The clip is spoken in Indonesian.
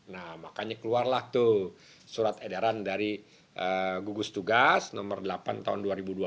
nah makanya keluarlah tuh surat edaran dari gugus tugas nomor delapan tahun dua ribu dua puluh